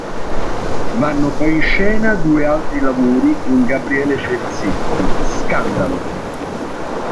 Vanno poi in scena due altri lavori con Gabriele Ferzetti: "Scandalo!